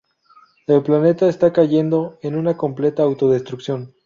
El planeta está cayendo en una completa auto-destrucción.